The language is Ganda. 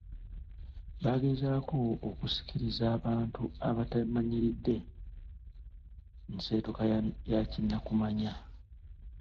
Bagezaako okusikiriza abantu abatamanyiridde nseetuka ya kinnakumanya.